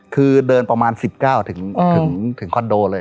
คือเดินประมาณสิบเก้าถึงถึงถึงคอนโดเลย